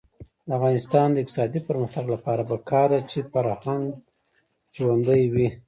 د افغانستان د اقتصادي پرمختګ لپاره پکار ده چې فرهنګ ژوندی وي.